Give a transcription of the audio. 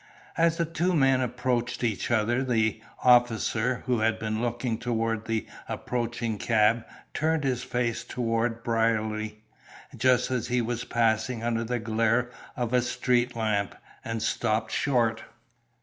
As the two men approached each other the officer, who had been looking toward the approaching cab, turned his face toward Brierly, just as he was passing under the glare of a street lamp, and stopped short.